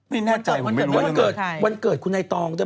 ไม่แน่ใจผมไม่รู้วันเกิดคุณไอ้ตอง